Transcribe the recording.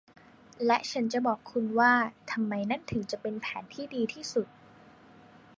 และฉันจะบอกคุณว่าทำไมนั่นถึงจะเป็นแผนที่ดีที่สุด